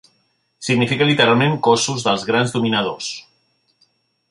Significa literalment "cossos dels grans dominadors".